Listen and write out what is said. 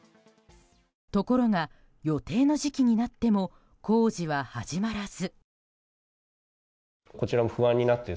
ところが、予定の時期になっても工事は始まらず。